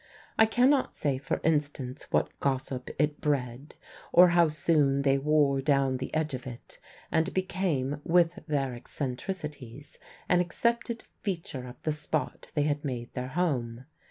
I cannot say, for instance, what gossip it bred, or how soon they wore down the edge of it and became, with their eccentricities, an accepted feature of the spot they had made their home.